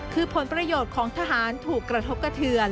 คือผลประโยชน์ของทหารถูกกระทบกระเทือน